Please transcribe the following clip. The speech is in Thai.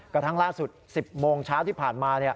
กระทั่งล่าสุด๑๐โมงเช้าที่ผ่านมา